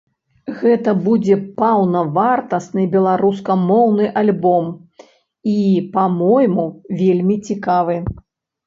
Гэта будзе паўнавартасны беларускамоўны альбом і, па-мойму, вельмі цікавы.